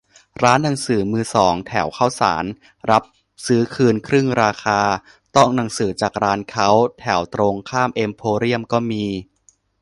ร้านหนังสือมือสองแถวข้าวสาร รับซื้อคืนครึ่งราคา ต้องหนังสือจากร้านเค้า แถวตรงข้ามเอ็มโพเรียมก็มี